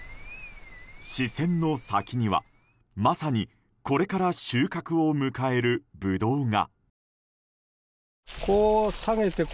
視線の先には、まさにこれから収穫を迎えるブドウが。